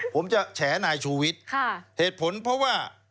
ผมจะแฉนายชูวิทย์เหตุผลเพราะว่า